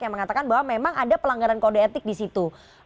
yang mengatakan bahwa memang ada pelanggaran kode etik disitu